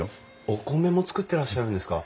お米も作ってらっしゃるんですか？